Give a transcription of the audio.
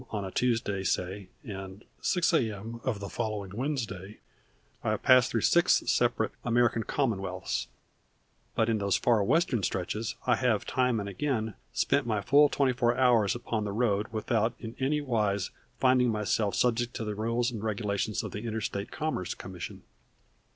on a Tuesday, say, and six A.M. of the following Wednesday, I have passed through six separate American commonwealths: but in those Far Western stretches I have time and again spent my full twenty four hours upon the road without in any wise finding myself subject to the rules and regulations of the Interstate Commerce Commission.